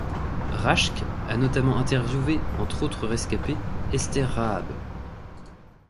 Rashke a notamment interviewé, entre autres rescapés, Esther Raab.